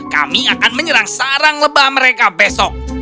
kami akan menyerang sarang lebah mereka besok